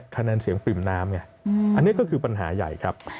คะแนนเสียงปริ่มน้ำไงอันนี้ก็คือปัญหาใหญ่ครับ